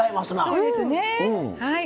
そうですねはい。